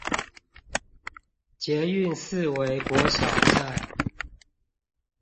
捷運四維國小站